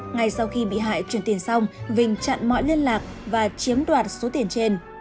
ngay sau khi bị hại chuyển tiền xong vinh chặn mọi liên lạc và chiếm đoạt số tiền trên